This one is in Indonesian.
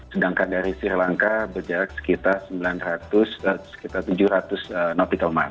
sedangkan dari sri lanka berjarak sekitar tujuh ratus nautical mind